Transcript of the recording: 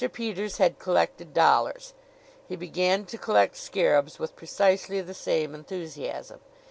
Peters had collected dollars; he began to collect scarabs with precisely the same enthusiasm.